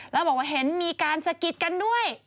แล้วบอกว่าเห็นมีการสะกิดกันด้วย